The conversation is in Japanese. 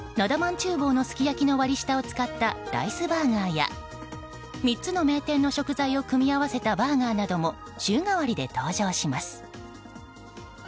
厨房のすきやきの割り下を使ったライスバーガーや３つの名店の食材を組み合わせたバーガーなども週替わりで登場します。